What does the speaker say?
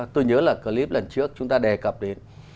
tôi nhớ là clip lần trước chúng ta đề cập đến